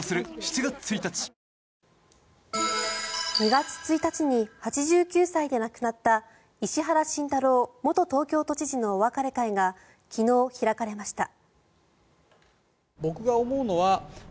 ２月１日に８９歳で亡くなった石原慎太郎元東京都知事のお別れ会が、昨日開かれました。